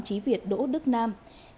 chí việt đỗ đức nam